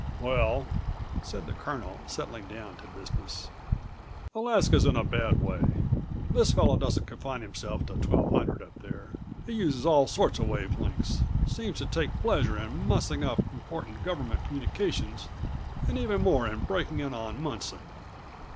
"Well," said the colonel, settling down to business, "Alaska's in a bad way. This fellow doesn't confine himself to 1200 up there. He uses all sorts of wave lengths; seems to take237 pleasure in mussing up important government communications and even more in breaking in on Munson."